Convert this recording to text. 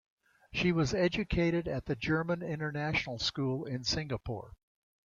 She was educated at the German International School in Singapore.